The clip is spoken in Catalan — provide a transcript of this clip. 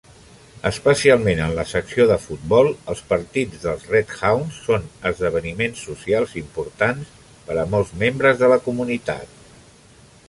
Especialment en la secció de futbol, els partits dels Redhounds són esdeveniments socials importants per a molts membres de la comunitat.